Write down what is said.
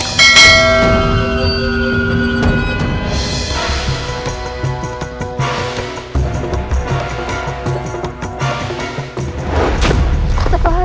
sampai jumpa di video selanjutnya